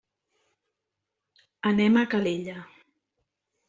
Anem a Calella.